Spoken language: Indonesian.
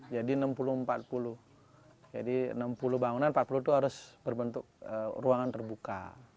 jadi enam puluh empat puluh jadi enam puluh bangunan empat puluh itu harus berbentuk ruangan terbuka